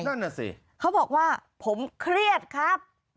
นั่นน่ะสิเขาบอกว่าผมเครียดครับ